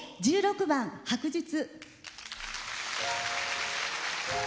１６番「白日」。